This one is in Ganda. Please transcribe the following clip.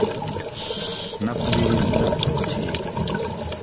Nnakubirizza olukiiko.